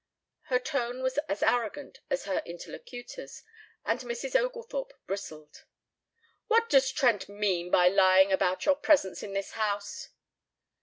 Her tone was as arrogant as her interlocutor's and Mrs. Oglethorpe bristled. "What does Trent mean by lying about your presence in this house?"